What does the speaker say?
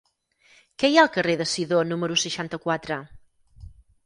Què hi ha al carrer de Sidó número seixanta-quatre?